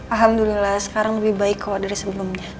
alhamdulillah sekarang lebih baik kalau dari sebelumnya